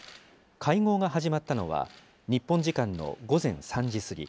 会合が始まったのは、日本時間の午前３時過ぎ。